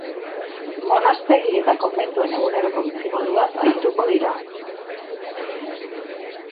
Monastegi eta konbentuen eguneroko bizimoduaz arituko dira.